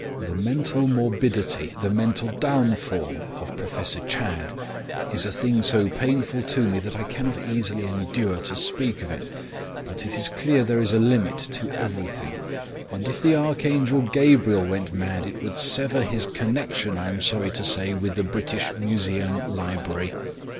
The mental morbidity, the mental downfall, of Professor Chadd, is a thing so painful to me that I cannot easily endure to speak of it. But it is clear there is a limit to everything. And if the Archangel Gabriel went mad it would sever his connection, I am sorry to say, with the British Museum Library."